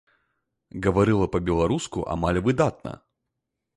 Гаварыла па-беларуску амаль выдатна.